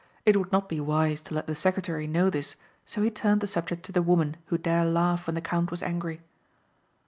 It would not be wise to let the secretary know this so he turned the subject to the woman who dare laugh when the count was angry.